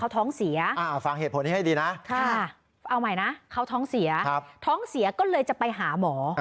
ท้องเสียก็เลยจะไปหาหมอ